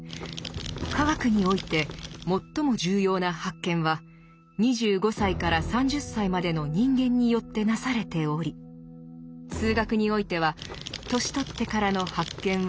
「化学において最も重要な発見は２５歳から３０歳までの人間によってなされ」ており「数学においては年取ってからの発見は極めて稀」。